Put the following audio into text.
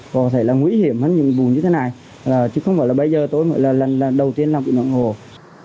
có thể là nguy hiểm hết những vụ như thế này chứ không phải là bây giờ tôi mới là lần đầu tiên làm cựu nàn cựu hồ